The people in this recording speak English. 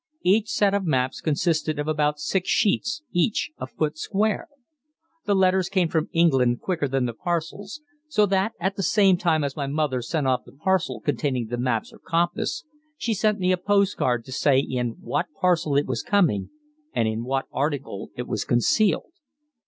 Each set of maps consisted of about six sheets each a foot square. The letters came from England quicker than the parcels, so that, at the same time as my mother sent off the parcel containing the maps or compass, she sent me a post card to say in what parcel it was coming and in what article it was concealed.